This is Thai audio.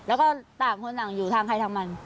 แล้วก็ต่างคนต่างอยู่ทางใครทางมัน